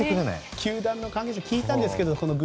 球団の関係者に聞いたんですよ。